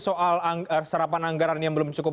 soal serapan anggaran yang belum cukup